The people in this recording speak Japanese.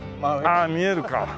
ああ見えるか。